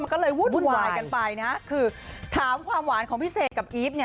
ก็เลยวุ่นวายกันไปนะคือถามความหวานของพี่เสกกับอีฟเนี่ย